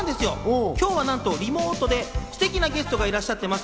今日は、なんとリモートでステキなゲストがいらっしゃっています。